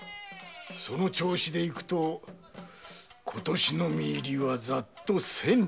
その調子でゆくと今年の実入りはざっと千両。